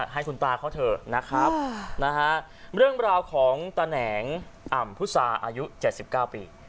ให้คุณตาเขาเถอะนะครับนะฮะเรื่องราวของตะแหน่งอ่ำพุทธศาสตร์อายุเจ็ดสิบเก้าปี